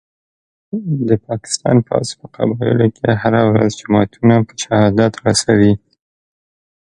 د پاکستان پوځ په قبایلو کي هره ورځ جوماتونه په شهادت رسوي